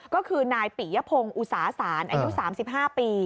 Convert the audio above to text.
ก็คือนายปิยพงศ์อุตสาศาลอายุ๓๕ปี